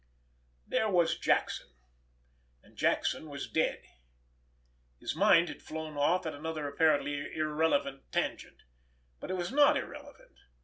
There was Jackson—and Jackson was dead. His mind had flown off at another apparently irrelevant tangent. But it was not irrelevant.